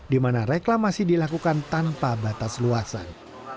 di mana reklamasi dilakukan tanpa batas luasan